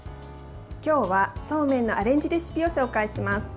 今日は、そうめんのアレンジレシピを紹介します。